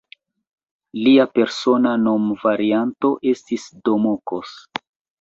Lia persona nomvarianto estis "Domokos".